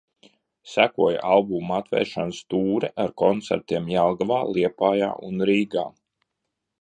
Sekoja albuma atvēršanas tūre ar koncertiem Jelgavā, Liepājā un Rīgā.